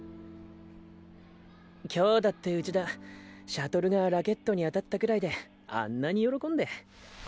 今日だって内田シャトルがラケットに当たったくらいであんなに喜んで。